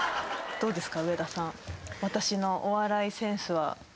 どうですか？